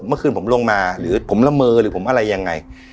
เมื่อคืนผมลงมาหรือผมละเมอหรือผมอะไรยังไง